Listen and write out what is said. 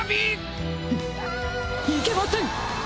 フムいけません！